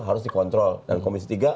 harus dikontrol dan komisi tiga